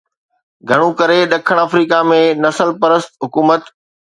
گهڻو ڪري ڏکڻ آفريڪا ۾ نسل پرست حڪومت